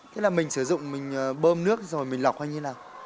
thế là mình sử dụng mình bơm nước rồi mình lọc hay như thế nào